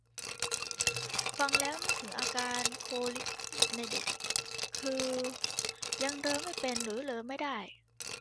ฟังแล้วนึกถึงอาการโคลิคในเด็ก คือยังเรอไม่เป็นหรือเรอไม่ได้